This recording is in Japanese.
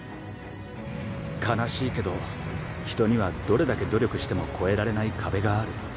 悲しいけど人にはどれだけ努力しても越えられない壁がある。